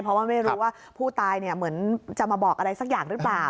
เพราะว่าไม่รู้ว่าผู้ตายเหมือนจะมาบอกอะไรสักอย่างหรือเปล่า